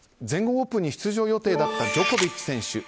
全豪オープンに出場予定だったジョコビッチ選手